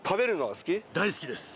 大好きです。